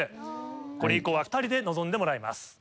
これ以降は２人で臨んでもらいます。